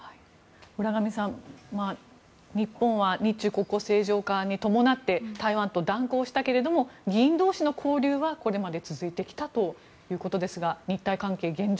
浦上さん日本は日中国交正常化に伴って台湾と断交したけれども議員同士の交流はこれまで続いてきたということですが日台関係、現状